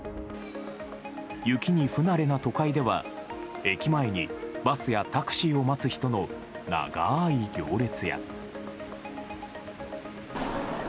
雪に不慣れな都会では、駅前にバスやタクシーを待つ人の長ーい行列や。